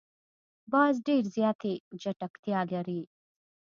باز ډېر زیاتې چټکتیا لري